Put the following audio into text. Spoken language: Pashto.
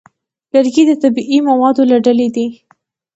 لرګی د طبیعي موادو له ډلې دی.